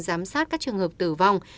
giám sát các trường hợp tử vong